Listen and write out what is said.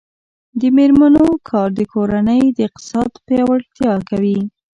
د میرمنو کار د کورنۍ اقتصاد پیاوړتیا کوي.